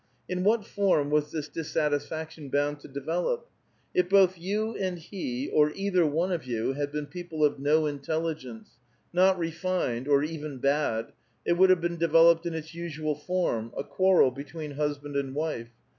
In what form was this dissatisfaction bonnd to develop ? If both you and he, or either one of you, had been people of no intelligence, not refined or even bad, it would have been developed in its' Msual form — a quarrel between husband and wife.